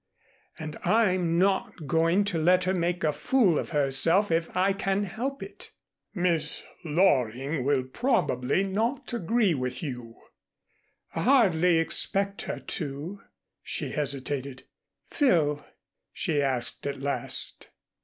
And I'm not going to let her make a fool of herself if I can help it." "Miss Loring will probably not agree with you." "I hardly expect her to." She hesitated. "Phil," she asked at last.